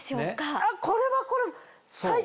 あっこれは最高！